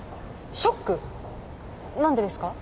ショック？何でですか？